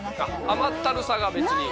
甘ったるさが別に。